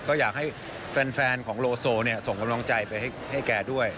ก็อยากให้แฟนของโลโซส่งกำลังใจไปให้แกด้วย